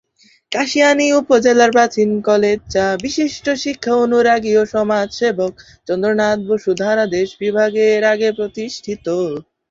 কাশিয়ানী উপজেলার প্রাচীন কলেজ যা বিশিষ্ট শিক্ষা অনুরাগী ও সমাজ সেবক চন্দ্রনাথ বসু ধারা দেশ বিভাগের আগে প্রতিষ্ঠিত।